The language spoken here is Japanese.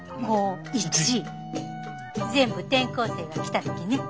全部転校生が来た時ね。